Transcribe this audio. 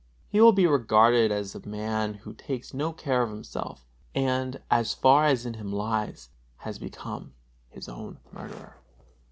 He will be regarded as a man who takes no care of himself, and, as far as in him lies, has become his own murderer.